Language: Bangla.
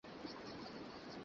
আমি আপনাকে তেমন চিনিই না।